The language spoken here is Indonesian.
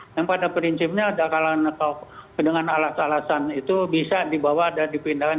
yang pada prinsipnya dakalan atau dengan alasan alasan itu bisa dibawa dan dipindahkan